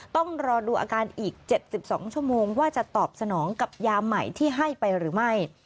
ต้องรอดูอาการอีก๗๒ชั่วโมงว่าจะตอบสนองกับยาใหม่ที่ให้ไปหรือไม่